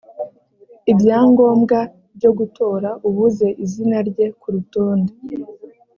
ibyangombwa byo gutora ubuze izina rye ku rutonde